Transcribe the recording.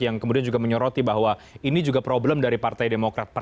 yang kemudian juga menyoroti bahwa ini juga problem dari partai demokrat